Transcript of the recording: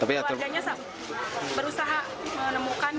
tapi keluarganya berusaha menemukan